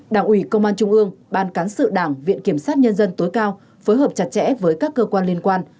đảng ủy công an trung ương ban cán sự đảng viện kiểm sát nhân dân tối cao phối hợp chặt chẽ với các cơ quan liên quan